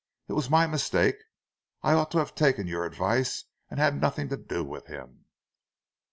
It was my mistake. I ought to have taken your advice and had nothing to do with him."